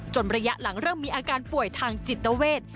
ระยะหลังเริ่มมีอาการป่วยทางจิตเวท